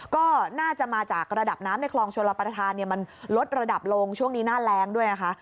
ก็น่าจะมาจากระดับน้ำในคลองชลประธานมันลดระดับลงช่วงนี้หน้าแรงด้วยนะคะ